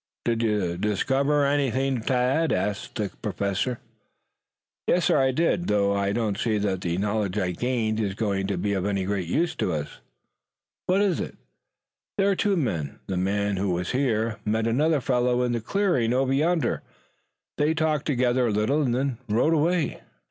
"Did you discover anything, Tad?" questioned the Professor. "Yes, sir, I did, though I don't see that the knowledge I gained is going to be of any great use to us." "What is it?" "There are two men. The man who was here met another fellow in the clearing over yonder. They talked together a little and then rode away.